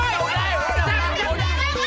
dia dapetin lo musik aja